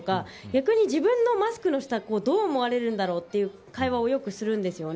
逆に自分のマスクの下をどう思われるんだろうという会話をよくするんです。